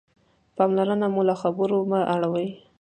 پاملرنه مو له خبرو مه اړوئ.